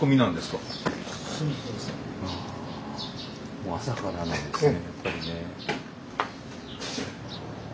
もう朝からなんですねやっぱりね。